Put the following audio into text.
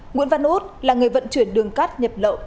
nguyễn văn út là người vận chuyển đường cát nhập lậu